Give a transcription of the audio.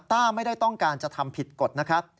ต้าไม่ได้ต้องการจะทำผิดกฎนะครับ